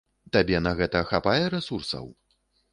Табе на гэта хапае рэсурсаў?